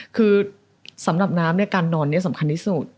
คือสำหรับน้ำการนอนนี้สำคัญที่สุด